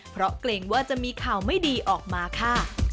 เพราะเกรงว่าจะมีข่าวไม่ดีออกมาค่ะ